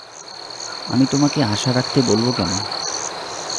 আমি তোমাকে আশা রাখতে বলব কেন।